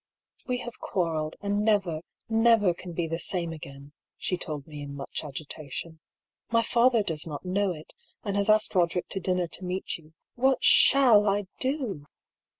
'• We have quarrelled, and never, never can be the same again," she told me in much agitation. ^* My fa ther does not know it, and has asked Soderick to din ner to meet you. What shall I do